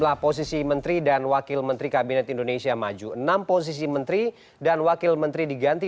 hari yang cerah hari ini